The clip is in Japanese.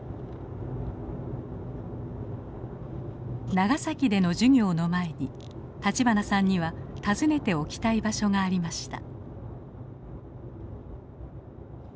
長崎での授業の前に立花さんには訪ねておきたい場所がありました。